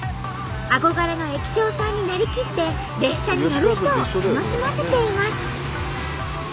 憧れの駅長さんになりきって列車に乗る人を楽しませています。